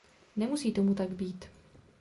Nemusí tomu tak být.